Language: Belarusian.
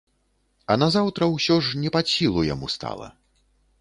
А назаўтра ўсё ж не пад сілу яму стала.